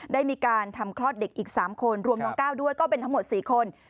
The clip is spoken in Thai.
ได้มีการทำคลอดเด็กอีก๓คนรวมน้องก้าวด้วยก็เป็นทั้งหมด๔คน